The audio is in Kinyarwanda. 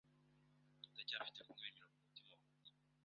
ndacyafite kumwenyura mumutima wanjye